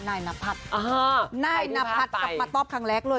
นายนพัฒน์นายนพัฒน์กลับมาตอบครั้งแรกเลย